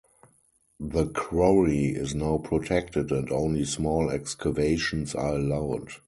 The quarry is now protected and only small excavations are allowed.